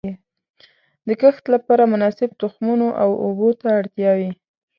د کښت لپاره مناسب تخمونو او اوبو ته اړتیا وي.